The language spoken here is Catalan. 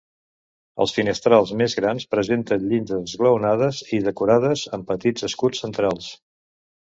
Els finestrals més grans presenten llindes esglaonades i decorades amb petits escuts centrals.